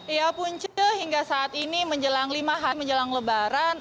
ya punce hingga saat ini menjelang lima hari menjelang lebaran